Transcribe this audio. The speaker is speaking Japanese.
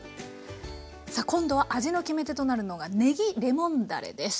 さあ今度は味の決め手となるのがねぎレモンだれです。